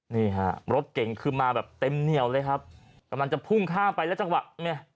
นี่ฮะรถเก่งคือมาแบบเต็มเหนียวเลยครับกำลังจะพุ่งข้ามไปแล้วจังหวะเนี่ย